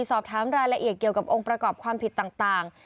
สอบถามรายละเอียดเกี่ยวกับองค์ประกอบความผิดต่าง